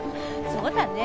そうだね。